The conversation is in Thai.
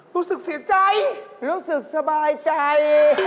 รู้สึกเสียใจรู้สึกสบายใจ